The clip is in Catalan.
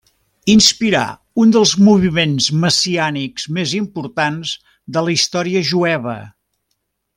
Inspirà un dels moviments messiànics més importants de la història jueva.